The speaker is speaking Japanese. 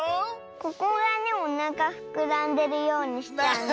ここがねおなかふくらんでるようにしたんだ。